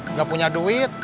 nggak punya duit